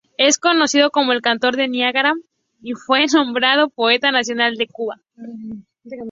Es conocido como el "Cantor del Niagara" y fue nombrado poeta nacional de Cuba.